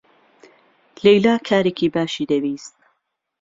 لەیلا کارێکی باشی دەویست.